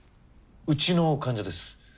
うちの患者です。